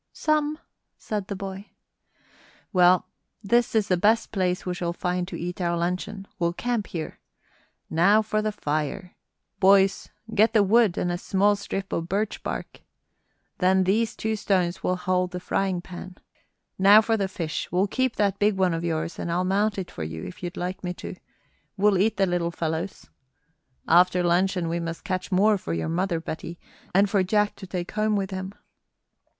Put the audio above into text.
"Some," said the boy. "Well, this is the best place we shall find to eat our luncheon. We'll camp here. Now for the fire! Boys, get the wood and a small strip of birch bark! Then these two stones will hold the frying pan. Now for the fish; we'll keep that big one of yours and I'll mount it for you, if you'd like me to. We'll eat the little fellows. After luncheon we must catch more for your mother, Betty, and for Jack to take home with him."